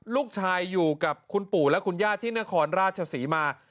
ลูกชายอยู่กับคุณปู่และคุณย่าที่นครราชศรีมา